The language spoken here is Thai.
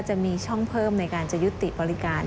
จะมีช่องเพิ่มในการจะยุติบริการ